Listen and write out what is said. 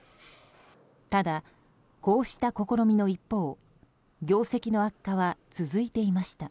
ただ、こうした試みの一方業績の悪化は続いていました。